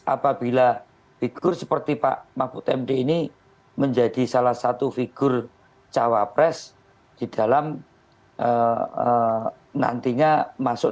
apabila figur seperti pak mahfud md ini menjadi salah satu figur cawapres di dalam nantinya masuk